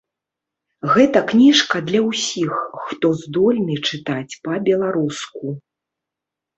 Гэта кніжка для ўсіх, хто здольны чытаць па-беларуску.